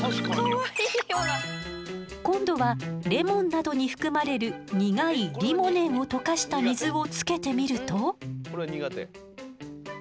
今度はレモンなどに含まれる苦いリモネンを溶かした水をつけてみると。